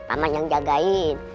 paman yang jagain